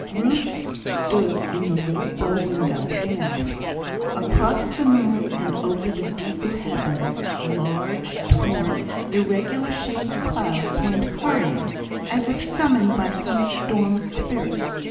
Ruth stood in the little bow window, looking out. Across the moon, and over the deep blue heavens, large, torn, irregular shaped clouds went hurrying, as if summoned by some storm spirit.